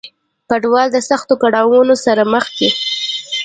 کډوال د سختو کړاونو سره مخ دي.